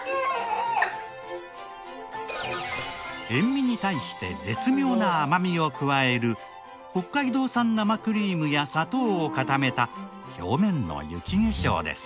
塩味に対して絶妙な甘みを加える北海道産生クリームや砂糖を固めた表面の雪化粧です。